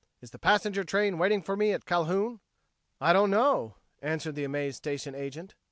Is the passenger train waiting for me at Calhoun?" "I don't know," answered the amazed station agent.